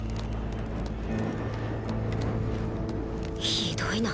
ひどいな。